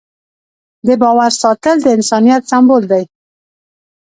د باور ساتل د انسانیت سمبول دی.